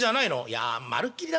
「いやまるっきり